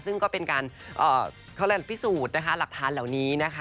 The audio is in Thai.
ซึ่งก็เป็นการเขาเรียกพิสูจน์นะคะหลักฐานเหล่านี้นะคะ